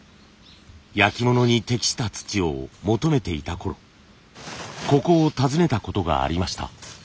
焼き物に適した土を求めていたころここを訪ねたことがありました。